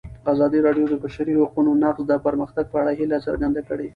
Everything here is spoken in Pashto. ازادي راډیو د د بشري حقونو نقض د پرمختګ په اړه هیله څرګنده کړې.